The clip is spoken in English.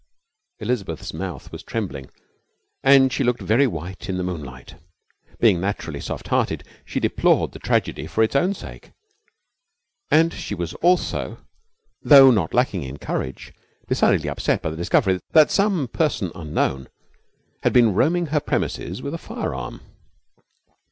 Elizabeth's mouth was trembling, and she looked very white in the moonlight. Being naturally soft hearted, she deplored the tragedy for its own sake; and she was also, though not lacking in courage, decidedly upset by the discovery that some person unknown had been roaming her premises with a firearm.